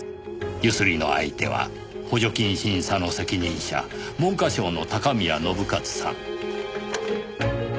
強請りの相手は補助金審査の責任者文科省の高宮信一さん。